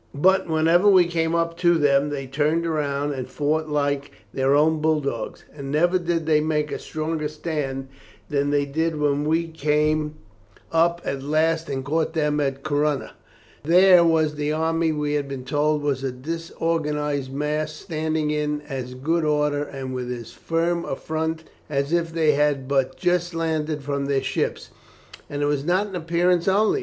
But whenever we came up to them they turned round and fought like their own bull dogs; and never did they make a stronger stand than they did when we came up at last and caught them at Corunna. There was the army we had been told was a disorganized mass standing in as good order, and with as firm a front, as if they had but just landed from their ships. And it was not in appearance only.